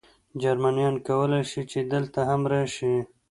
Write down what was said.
جرمنیان کولای شي، چې دلته هم راشي.